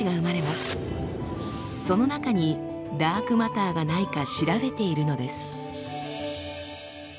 その中にダークマターがないか調べているのです。